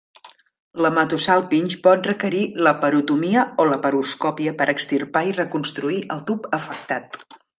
L'hematosàlpinx pot requerir laparotomia o laparoscòpia per extirpar i reconstruir el tub afectat.